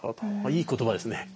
いい言葉ですね。